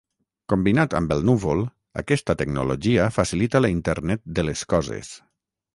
Combinat amb el núvol, aquesta tecnologia facilita la Internet de les Coses.